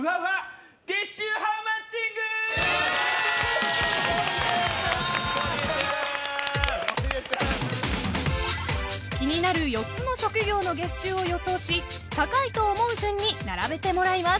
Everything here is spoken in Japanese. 月収ハウマッチング」［気になる４つの職業の月収を予想し高いと思う順に並べてもらいます］